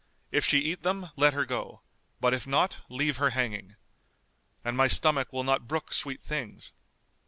If she eat them, let her go, but if not, leave her hanging.' And my stomach will not brook sweet things."